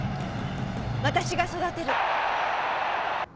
私が育てる。